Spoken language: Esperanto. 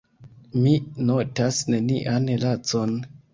Mi notas nenian lacon.